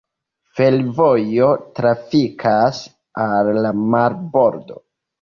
Fervojo trafikas al la marbordo.